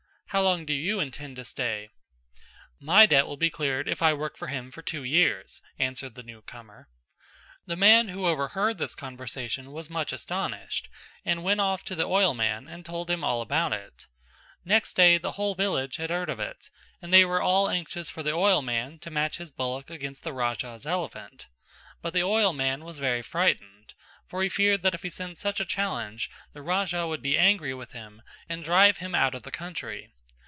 How long do you intend to stay?" "My debt will be cleared if I work for him two years" answered the new comer. The man who overheard this conversation was much astonished and went off to the oilman and told him all about it. Next day the whole village had heard of it and they were all anxious for the oilman to match his bullock against the Raja's elephant; but the oilman was very frightened, for he feared that if he sent such a challenge, the Raja would be angry with him and drive him out of the country.